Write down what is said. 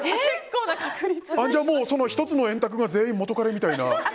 その１つの円卓が全員元カレみたいな。